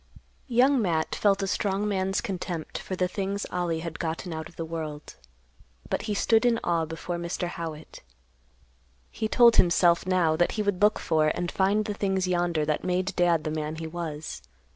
Young Matt felt a strong man's contempt for the things Ollie had gotten out of the world, but he stood in awe before Mr. Howitt. He told himself, now, that he would look for and find the things yonder that made Dad the man he was.